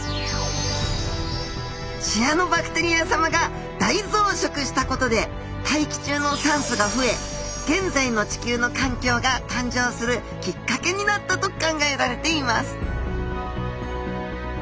シアノバクテリアさまが大増殖したことで大気中の酸素が増え現在の地球の環境が誕生するきっかけになったと考えられています